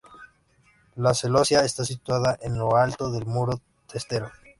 La celosía está situada en lo alto del muro testero.